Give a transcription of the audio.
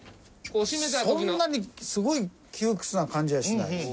そんなにすごい窮屈な感じはしないです。